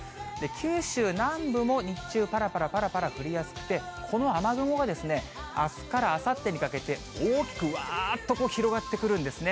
九州南部も日中、ぱらぱらぱらぱら降りやすくて、この雨雲が、あすからあさってにかけて、大きくわーっと広がってくるんですね。